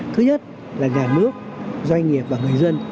thứ nhất là nhà nước doanh nghiệp và người dân